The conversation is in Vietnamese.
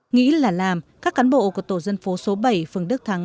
nghĩ là làm các cán bộ của tổ dân phố số bảy phường đức thắng